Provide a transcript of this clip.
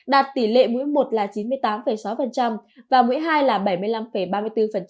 đạt tỷ lệ mũi một là chín mươi tám sáu và mũi hai là bảy mươi năm ba mươi bốn